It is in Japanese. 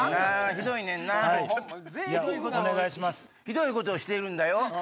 ひどいことをしているんだよ。